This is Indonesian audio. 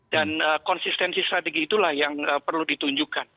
dan konsistensi strategi itulah yang perlu ditunjukkan